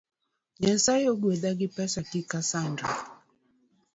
Nyasae ogwedha gi pesa kik asandra